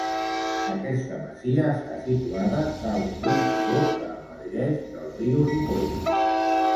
Aquesta masia està situada dalt d'un turó que emergeix del riu Ripoll.